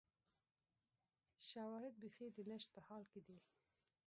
شواهد بیخي د نشت په حال کې دي